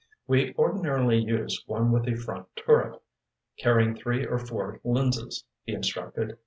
"We ordinarily use one with a front turret, carrying three or four lenses," he instructed.